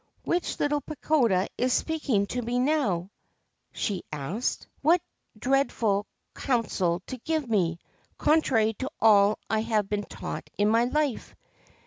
'Which little pagoda is speaking to me now?' she asked. Q '37 THE GREEN SERPENT 'What dreadful counsel to give me, contrary to all I have been taught in my life